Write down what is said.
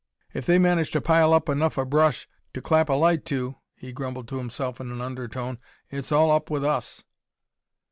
"If they manage to pile up enough o' brush to clap a light to," he grumbled to himself in an undertone, "it's all up wi' us."